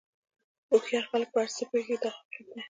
هوښیار خلک په هر څه نه پوهېږي دا حقیقت دی.